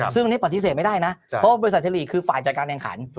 ซึ่งอันนี้ปฏิเสธไม่ได้นะเพราะว่าบริษัทไทยลีกคือฝ่ายจัดการแข่งขัน